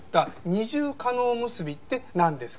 二重叶結びってなんですか？